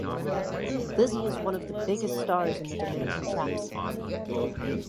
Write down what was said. Lizzy is one of the biggest stars in the Dominican trap scene.